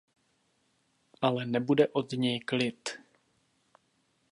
Ale nebude od něj klid.